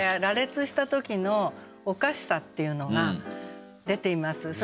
羅列した時のおかしさっていうのが出ています。